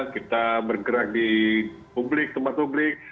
kita bergerak di publik tempat publik